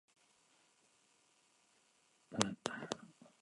El efecto secundario es que redondea las cosas.